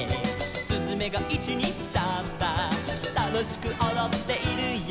「すずめが１・２・サンバ」「楽しくおどっているよ」